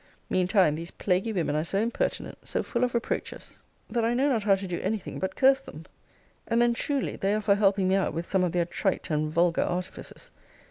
Mean time these plaguy women are so impertinent, so full of reproaches, that I know not how to do any thing but curse them. And then, truly, they are for helping me out with some of their trite and vulgar artifices.